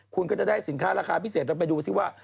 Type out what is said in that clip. คุณก็จะได้สินค้าราคาพิเศษเราไปดูซิว่า